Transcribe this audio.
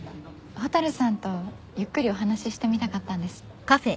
蛍さんとゆっくりお話してみたかったんです。